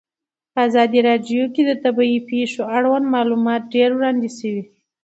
په ازادي راډیو کې د طبیعي پېښې اړوند معلومات ډېر وړاندې شوي.